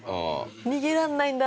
逃げられないんだ。